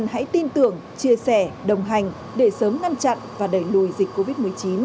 hãy tin tưởng chia sẻ đồng hành để sớm ngăn chặn và đẩy lùi dịch covid một mươi chín